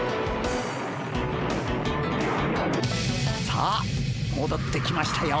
さあもどってきましたよ。